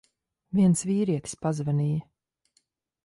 Viens vīrietis pazvanīja.